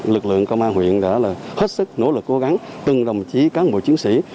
lực lượng công an huyện đã hết sức nỗ lực cố gắng từng đồng chí cán bộ chiến sĩ